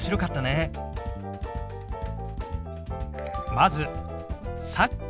まず「さっき」。